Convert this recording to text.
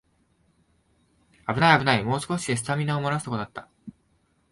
あぶないあぶない、もう少しでスタミナもらすところだった